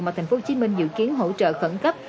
mà tp hcm dự kiến hỗ trợ khẩn cấp